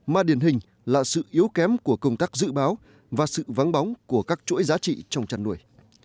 mà điển hình là sự yếu kém của công tác dự báo và sự vắng bóng của các chuỗi giá trị trong chăn nuôi